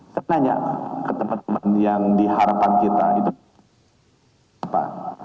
saya nanya ke teman teman yang diharapkan kita itu apa